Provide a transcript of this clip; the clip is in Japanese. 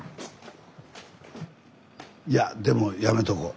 いやでもやめとこう。